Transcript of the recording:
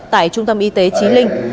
tại trung tâm y tế chí linh